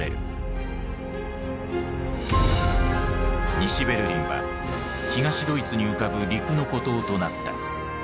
西ベルリンは東ドイツに浮かぶ陸の孤島となった。